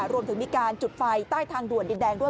รวมถึงมีการจุดไฟใต้ทางด่วนดินแดงด้วย